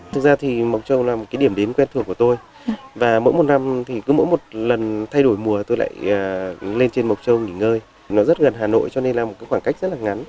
thực ra thì mộc châu là một cái điểm đến quen thuộc của tôi và mỗi một năm thì cứ mỗi một lần thay đổi mùa tôi lại lên trên mộc châu nghỉ ngơi nó rất gần hà nội cho nên là một khoảng cách rất là ngắn